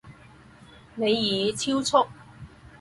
您已超速